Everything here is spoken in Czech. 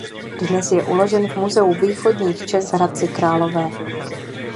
Dnes je uložen v Muzeu východních Čech v Hradci Králové.